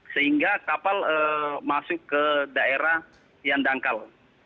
sehingga kapal masuk ke daerah yang dangkal